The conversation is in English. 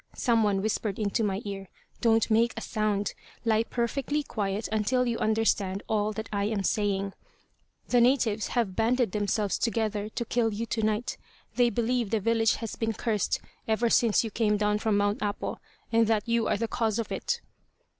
some one whispered into my ear. "Don't make a sound! Lie perfectly quiet until you understand all that I am saying! "The natives have banded themselves together to kill you tonight. They believe the village has been cursed ever since you came down from Mount Apo, and that you are the cause of it."